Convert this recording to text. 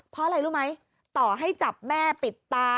เพราะอะไรรู้ไหมต่อให้จับแม่ปิดตา